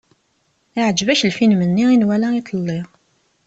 Iɛǧeb-ak lfilm-nni i nwala iḍelli.